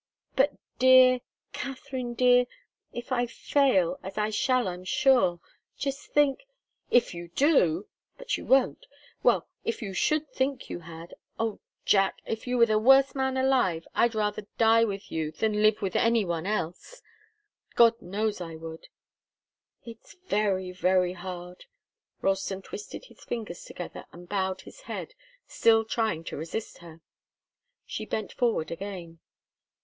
"But, dear Katharine dear if I fail, as I shall, I'm sure just think " "If you do but you won't well, if you should think you had oh, Jack! If you were the worst man alive, I'd rather die with you than live for any one else! God knows I would " "It's very, very hard!" Ralston twisted his fingers together and bowed his head, still trying to resist her. She bent forward again.